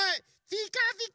ピカピカ。